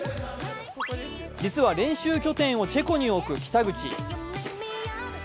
実は、練習拠点をチェコに置く北口。